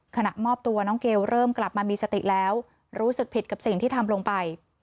ขณะมอบตัวน้องเกลเริ่มกลับมามีสติแล้วรู้สึกผิดกับสิ่งที่ทำลงไป